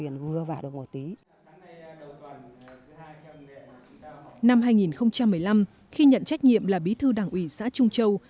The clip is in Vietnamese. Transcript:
năm hai nghìn một mươi năm khi nhận trách nhiệm là bí thư đảng ủy xã trung châu